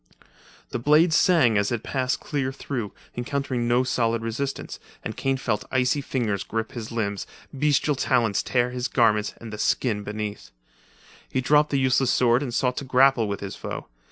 The blade sang as it passed clear through, encountering no solid resistance, and Kane felt icy fingers grip his limbs, bestial talons tear his garments and the skin beneath, He dropped the useless sword and sought to grapple with his foe.